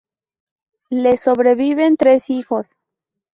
Le sobreviven tres hijos.